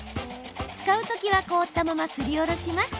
使うときは凍ったまま、すりおろします。